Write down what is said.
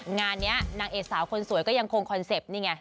งานนี้นางเอกสาวคนสวยก็ยังคงคอนเซ็ปต์นี่ไง